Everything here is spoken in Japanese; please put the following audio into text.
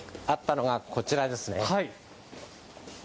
あったのはこちらですね。